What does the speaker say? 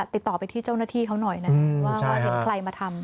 ติดต่อไปที่เจ้าหน้าที่เขาหน่อยนะว่าเห็นใครมาทำ